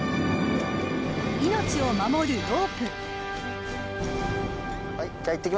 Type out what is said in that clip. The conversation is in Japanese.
命を守るロープ。